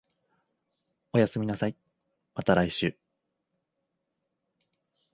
おやすみなさい、また来週